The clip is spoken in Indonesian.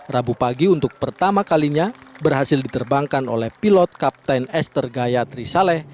rabu pagi untuk pertama kalinya berhasil diterbangkan oleh pilot kapten esther gaya trisaleh